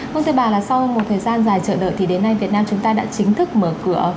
vâng thưa bà là sau một thời gian dài chờ đợi thì đến nay việt nam chúng ta đã chính thức mở cửa